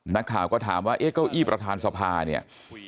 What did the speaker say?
นักข่าวก็ถามว่าเอ๊ะเก้าอี้ประธานสภาเนี่ย